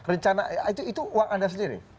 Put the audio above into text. rencana itu uang anda sendiri